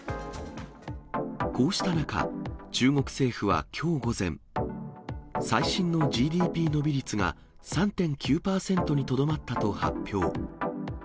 こうした中、中国政府はきょう午前、最新のＧＤＰ伸び率が３．９％にとどまったと発表。